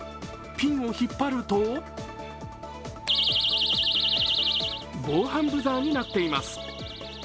ピンを引っ張ると防犯ブザーになっています。